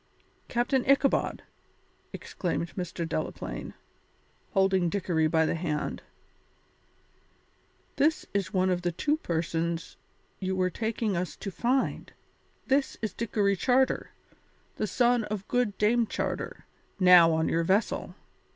"Captain Ichabod," exclaimed Mr. Delaplaine, holding Dickory by the hand, "this is one of the two persons you were taking us to find. This is Dickory Charter, the son of good Dame Charter, now on your vessel.